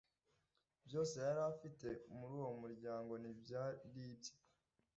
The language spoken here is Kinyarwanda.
byose yari afite muri uwo muryango ntibyaribye